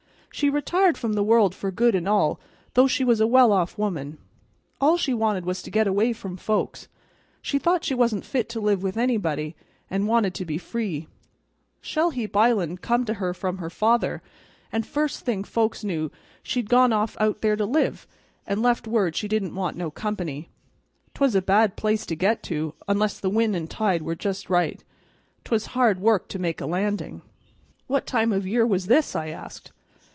She retired from the world for good an' all, though she was a well off woman. All she wanted was to get away from folks; she thought she wasn't fit to live with anybody, and wanted to be free. Shell heap Island come to her from her father, and first thing folks knew she'd gone off out there to live, and left word she didn't want no company. 'Twas a bad place to get to, unless the wind an' tide were just right; 'twas hard work to make a landing." "What time of year was this?" I asked.